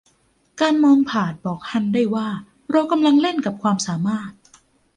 การมองผาดบอกฮันได้ว่า เรากำลังเล่นกับความสามารถ